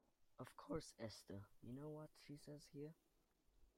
Of course, Esther, you know what she says here?